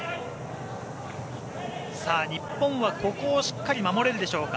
日本はここをしっかり守れるでしょうか。